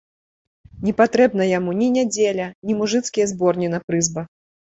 Не патрэбна яму ні нядзеля, ні мужыцкія зборні на прызбах.